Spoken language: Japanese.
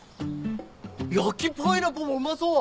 焼きパイナポーもうまそう！